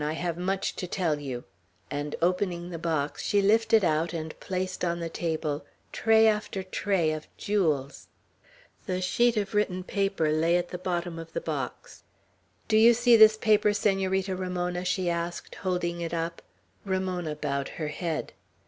I have much to tell you;" and opening the box, she lifted out and placed on the table tray after tray of jewels. The sheet of written paper lay at the bottom of the box. "Do you see this paper, Senorita Ramona?" she asked, holding it up. Ramona bowed her head.